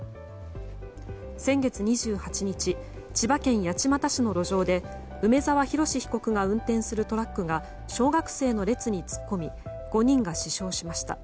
先月２８日千葉県八街市の路上で梅沢洋被告が運転するトラックが小学生の列に突っ込み５人が死傷しました。